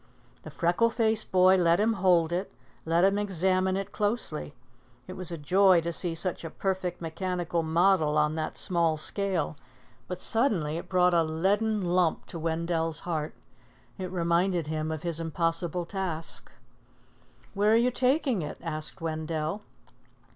The freckle faced boy let him hold it, let him examine it closely. It was a joy to see such a perfect mechanical model on that small scale; but suddenly it brought a leaden lump to Wendell's heart. It reminded him of his impossible task. "Where you taking it?" asked Wendell.